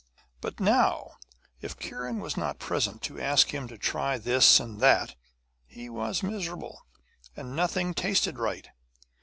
But now, if Kiran was not present to ask him to try this and that, he was miserable, and nothing tasted right.